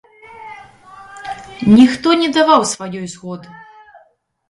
Ніхто не даваў сваёй згоды.